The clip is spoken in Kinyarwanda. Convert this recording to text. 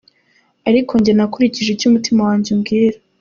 Ariko njye nakurikije icyo umutima wanjye umbwira.